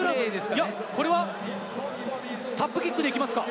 いや、これはタップキックでいきますか。